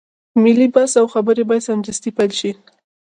ملي بحث او خبرې بايد سمدستي پيل شي.